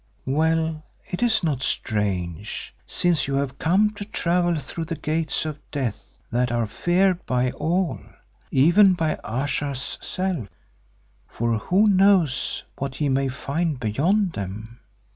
Well, it is not strange, since you have come to travel through the Gates of Death that are feared by all, even by Ayesha's self, for who knows what he may find beyond them?